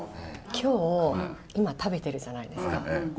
今日今食べてるじゃないですか。